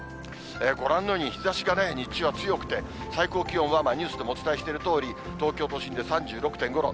ご覧のように、日ざしが日中は強くて、最高気温はニュースでもお伝えしているとおり、東京都心で３６．５度。